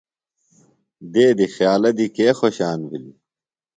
دیدیۡ خیالہ دی کے خوشان بِھلیۡ؟